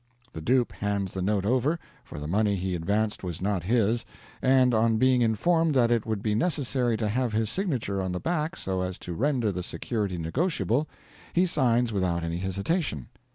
The dupe hands the note over, for the money he advanced was not his, and, on being informed that it would be necessary to have his signature on the back so as to render the security negotiable, he signs without any hesitation.